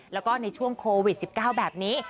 แล้วก็ในช่วงโควิด๑๙แบบนี้